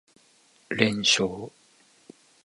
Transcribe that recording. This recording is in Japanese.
連勝